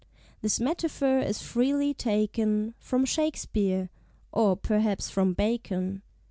(This metaphor is freely taken From Shakespeare or perhaps from Bacon.)